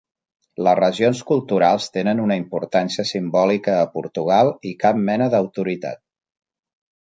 Les regions culturals tenen una importància simbòlica a Portugal i cap mena d'autoritat.